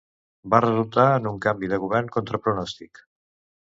Va resultar en un canvi de govern contra pronòstic.